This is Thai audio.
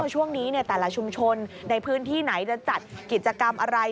ช่วงนี้แต่ละชุมชนในพื้นที่ไหนจะจัดกิจกรรมอะไร